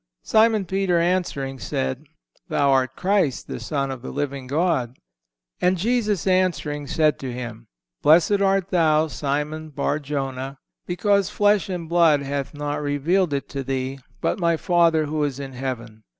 "Simon Peter answering, said: Thou art Christ, the Son of the living God. And Jesus answering said to him: Blessed art thou, Simon Bar Jona: because flesh and blood hath not revealed it to thee, but My Father who is in heaven.